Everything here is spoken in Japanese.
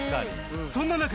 そんな中